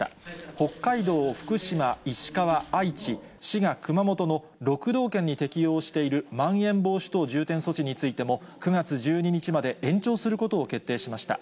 北海道、ふくしま石川、愛知、滋賀、熊本の６道県に適用しているまん延防止等重点措置についても、９月１２日まで延長することを決定しました。